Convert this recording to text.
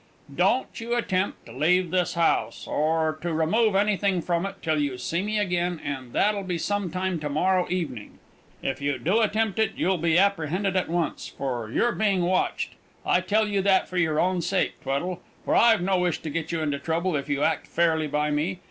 Don't you attempt to leave this house, or to remove anything from it, till you see me again, and that'll be some time to morrow evening. If you do attempt it, you'll be apprehended at once, for you're being watched. I tell you that for your own sake, Tweddle; for I've no wish to get you into trouble if you act fairly by me.